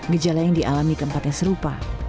gejala yang dialami keempatnya serupa